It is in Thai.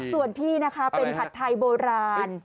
ส่วนที่นะคะเป็นผัดไทยโบราณ